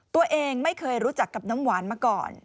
ตัวเองไม่เคยรู้จักกับน้ำหวานมาก่อน